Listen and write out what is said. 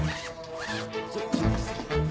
ちょっと。